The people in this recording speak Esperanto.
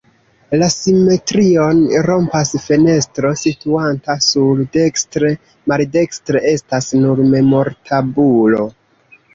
La simetrion rompas fenestro situanta nur dekstre, maldekstre estas nur memortabulo.